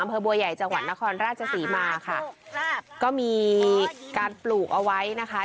อำเภอบัวใหญ่จังหวัดนครราชศรีมาค่ะก็มีการปลูกเอาไว้นะคะ